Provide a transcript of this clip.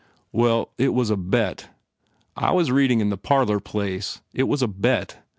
"Well, it was a bet. I was reading in the parlour place. It was a bet.